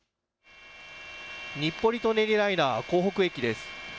日暮里・舎人ライナー江北駅です。